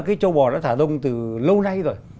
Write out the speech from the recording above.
cái châu bò đã thả rông từ lâu nay rồi